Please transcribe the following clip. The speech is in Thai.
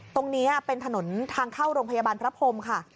ตรงนี้เป็นถนนทางเข้าโรงพยาบาลพระพรมค่ะ